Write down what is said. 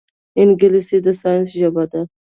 انګلیسي د ساینس ژبه ده